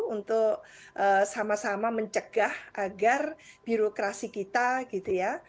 untuk sama sama mencegah agar birokrasi kita gitu ya